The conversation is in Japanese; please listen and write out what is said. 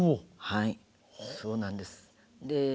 はいそうなんです。